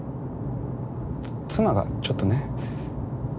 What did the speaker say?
つ妻がちょっとね。